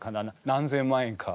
何千万円か。